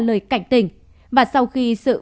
lời cảnh tình và sau khi sự